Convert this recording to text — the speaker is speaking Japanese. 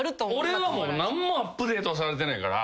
俺はもう何もアップデートされてないから。